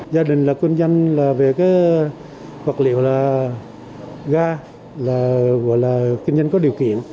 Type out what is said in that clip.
gia đình là kinh doanh về vật liệu là ga là kinh doanh có điều kiện